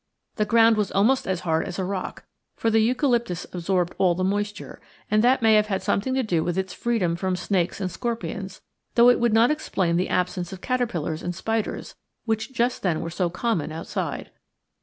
The ground was almost as hard as a rock, for the eucalyptus absorbed all the moisture, and that may have had something to do with its freedom from snakes and scorpions, though it would not explain the absence of caterpillars and spiders, which just then were so common outside.